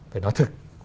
phải nói thật